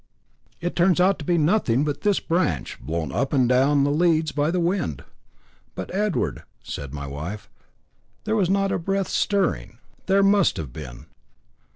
It turns out to be nothing but this branch, blown up and down the leads by the wind." "But, Edward," said my wife, "there was not a breath stirring." "There must have been.